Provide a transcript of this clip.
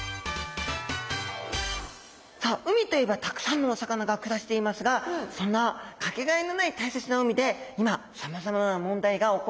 さあ海といえばたくさんのお魚が暮らしていますがそんな掛けがえのない大切な海で今さまざまな問題が起こっているんですね。